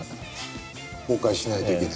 崩壊しないといけない。